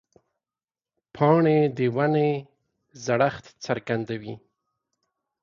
پاڼې د ونې زړښت څرګندوي.